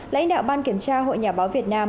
lãnh đạo ban kiểm tra hội nhà báo việt nam